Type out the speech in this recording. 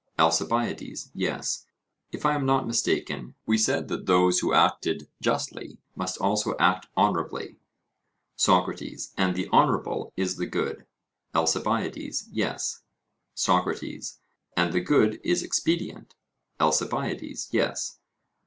ALCIBIADES: Yes; if I am not mistaken, we said that those who acted justly must also act honourably. SOCRATES: And the honourable is the good? ALCIBIADES: Yes. SOCRATES: And the good is expedient? ALCIBIADES: Yes.